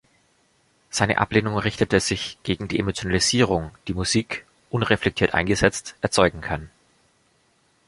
Seine Ablehnung richtete sich gegen die Emotionalisierung, die Musik, unreflektiert eingesetzt, erzeugen kann.